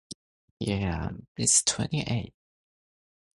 It also sometimes uses Big Finish Productions of "Doctor Who".